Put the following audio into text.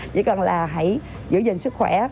chỉ cần là hãy giữ gìn sức khỏe